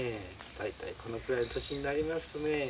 だいたいこのくらいの年になりますとね